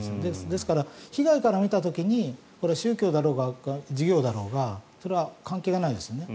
ですから被害から見た時に宗教だろうが事業だろうが関係ないですよね。